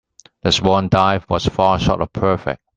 The swan dive was far short of perfect.